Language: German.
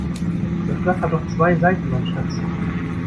Das Blatt hat doch zwei Seiten mein Schatz.